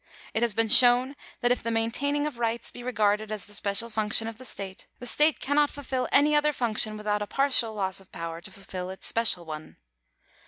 It has been shown that if the maintaining of rights be regarded as the special function of the state, the state cannot fulfil any other function without a partial loss of power to fulfil its special one.